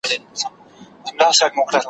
دا دغرونو لوړي څوکي `